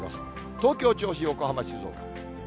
東京、銚子、横浜、静岡。